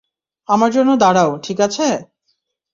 আমার জন্য দাঁড়াও, ঠিক আছে?